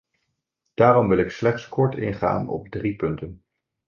Daarom wil ik slechts kort ingaan op drie punten.